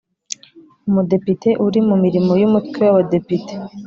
Umudepite uri mu mirimo y Umutwe w Abadepite